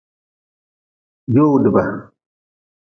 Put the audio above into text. Jowdba.